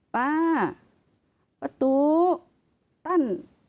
ป้าประตูตั้น